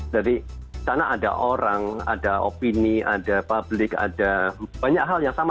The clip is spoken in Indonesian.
jadi sana ada orang ada opini ada publik ada banyak hal yang sama